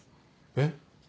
えっ？